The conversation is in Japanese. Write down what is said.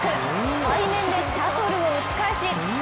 背面でシャトルを打ち返し